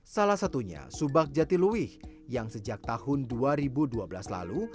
salah satunya subak jatiluwih yang sejak tahun dua ribu dua belas lalu